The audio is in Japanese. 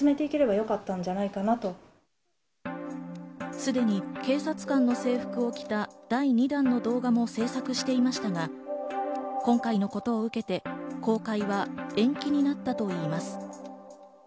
すでに警察官の制服を着た第２弾の動画も制作していましたが、今回のことを受けて公開は延期になったといいます。